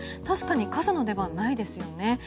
確かに傘の出番、ないですよね。